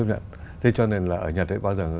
người ta không chấp nhận